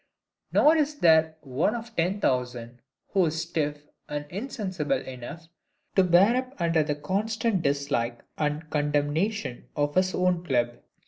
Nor is there one of ten thousand, who is stiff and insensible enough, to bear up under the constant dislike and condemnation of his own club.